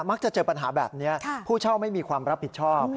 มักจะเจอปัญหาแบบนี้ผู้เช่าไม่มีความรับผิดชอบ